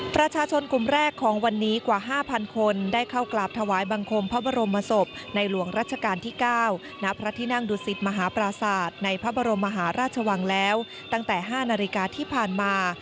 ประชาชนกลุ่มแรกของวันนี้กว่า๕๐๐คนได้เข้ากราบถวายบังคมพระบรมศพในหลวงรัชกาลที่๙ณพระที่นั่งดุสิตมหาปราศาสตร์ในพระบรมมหาราชวังแล้วตั้งแต่๕นาฬิกาที่ผ่านมา